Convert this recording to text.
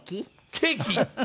ケーキ！